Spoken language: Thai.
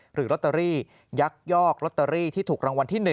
หรือลอตเตอรี่ยักยอกลอตเตอรี่ที่ถูกรางวัลที่๑